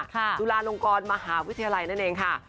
จุฬาลงกรมหาวิทยาลัยนั่นเองค่ะ